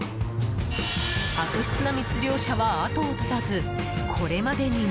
悪質な密漁者は後を絶たずこれまでにも。